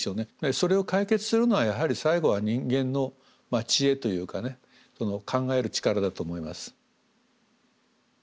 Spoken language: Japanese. それを解決するのはやはり最後は人間の知恵というかね考える力だと思います。